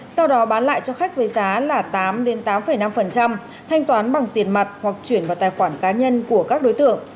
sau đó bán lại cho khách với giá là tám tám năm thanh toán bằng tiền mặt hoặc chuyển vào tài khoản cá nhân của các đối tượng